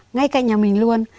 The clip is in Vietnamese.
ngay cạnh nhà mình luôn